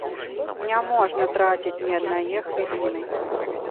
Не можна траціць ні аднае хвіліны.